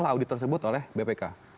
audit tersebut oleh bpk